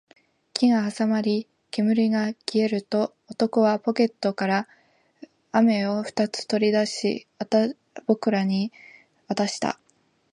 火が収まり、煙が消えると、男はポケットから飴を二つ取り出し、僕らに渡した